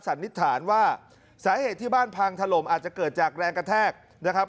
สันนิษฐานว่าสาเหตุที่บ้านพังถล่มอาจจะเกิดจากแรงกระแทกนะครับ